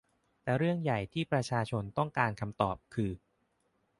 แต่เรื่องใหญ่ที่ประชาชนต้องการคำตอบ คือ